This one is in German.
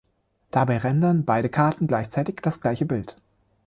Dabei rendern beide Karten gleichzeitig das gleiche Bild.